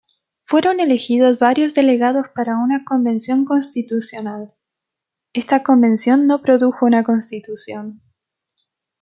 Fueron elegidos varios delegados para una convención constitucional; esta convención no produjo una constitución.